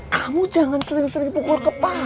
kamu jangan sering sering pukul kepala